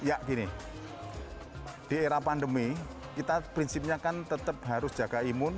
ya gini di era pandemi kita prinsipnya kan tetap harus jaga imun